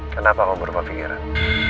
kenapa kamu berubah pikiran